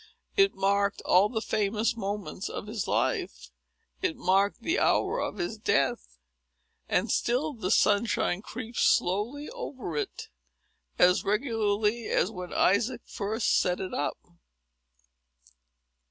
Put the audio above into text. It marked all the famous moments of his life; it marked the hour of his death; and still the sunshine creeps slowly over it, as regularly as when Isaac first set it up.